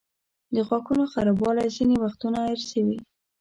د غاښونو خرابوالی ځینې وختونه ارثي وي.